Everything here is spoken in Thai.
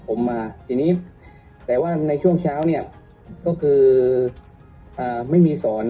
ผมมาทีนี้แต่ว่าในช่วงเช้าเนี่ยก็คือไม่มีสอน